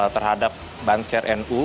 terhadap bansir nu